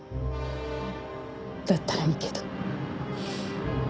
だったらいいけど。